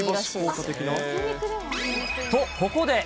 と、ここで。